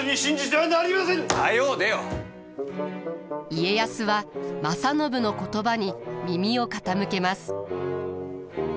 家康は正信の言葉に耳を傾けます。